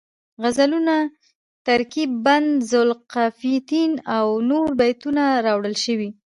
غزلونه، ترکیب بند ذوالقافیتین او نور بیتونه راوړل شوي